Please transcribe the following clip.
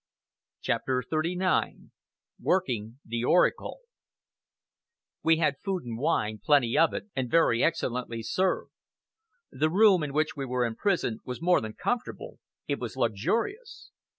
CHAPTER XXXIX WORKING THE ORACLE We had food and wine, plenty of it, and very excellently served. The room in which we were imprisoned was more than comfortable it was luxurious.